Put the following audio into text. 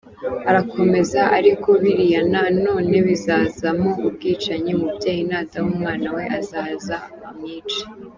Arakomeza “Ariko biriya na none bizazamo ubwicanyi, umubyeyi nadaha umwana we azaza amwice.